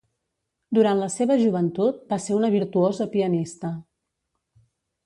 Durant la seva joventut va ser una virtuosa pianista.